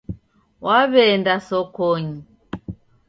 Waweenda sokonyi.